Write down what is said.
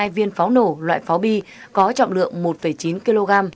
ba trăm linh hai viên pháo nổi loại pháo bi có trọng lượng một chín kg